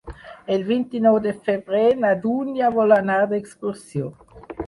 El vint-i-nou de febrer na Dúnia vol anar d'excursió.